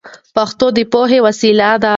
پښتو د پوهې وسیله ده.